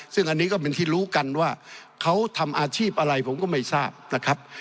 ซึ่งอันนี้ก็เป็นที่รู้กันว่าเขาทำอาชีพอะไรผมก็ไม่ทราบนะครับ